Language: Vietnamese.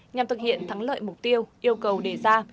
nhằm thực hiện thắng lợi mục tiêu yêu cầu đề ra